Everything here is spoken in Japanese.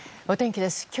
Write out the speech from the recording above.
お天気です。